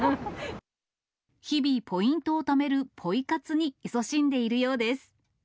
日々、ポイントをためるポイ活にいそしんでいるようです。